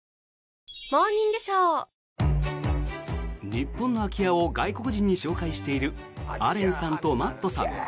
日本の空き家を外国人に紹介しているアレンさんとマットさん。